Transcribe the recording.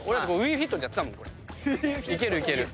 いけるいける。